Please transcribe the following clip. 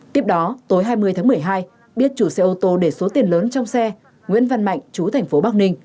tiếp đó tối hai mươi tháng một mươi hai biết chủ xe ô tô để số tiền lớn trong xe nguyễn văn mạnh chú thành phố bắc ninh